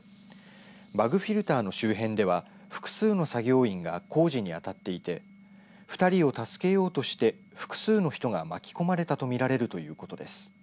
バグフィルターの周辺では複数の作業員が工事に当たっていて２人を助けようとして複数の人が巻き込まれたとみられるということです。